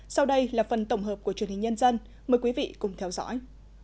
sau đây là phần tổng hợp của truyền hình nhân dân mời quý vị cùng theo dõi